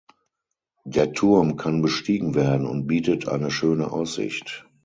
Der Turm kann bestiegen werden und bietet eine schöne Aussicht.